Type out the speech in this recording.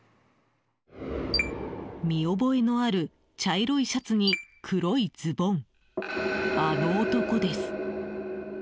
見覚えのある茶色いシャツに黒いズボン、あの男です。